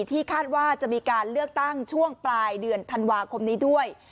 ที่คาดว่าจะมีการเลือกตั้งช่วงปลายเดือนธันวาคมนี้ด้วย